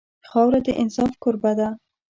خاوره د انصاف کوربه ده.